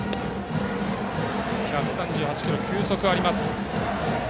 １３８キロ、球速あります。